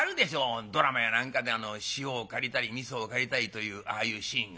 ドラマや何かで塩を借りたりみそを借りたりというああいうシーンが」。